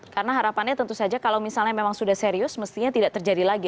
karena harapannya tentu saja kalau misalnya memang sudah serius mestinya tidak terjadi lagi